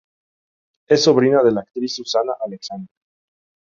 Es sobrina de la actriz Susana Alexander.